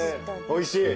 おいしい！